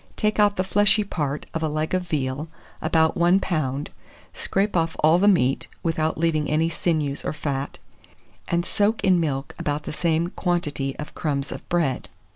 Take out the fleshy part of a leg of veal, about 1 lb., scrape off all the meat, without leaving any sinews or fat, and soak in milk about the same quantity of crumbs of bread.